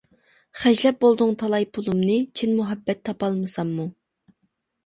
خەجلەپ بولدۇڭ تالاي پۇلۇمنى، چىن مۇھەببەت تاپالمىساممۇ.